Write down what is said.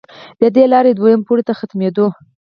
له دې لارې دویم پوړ ته ختمېدې.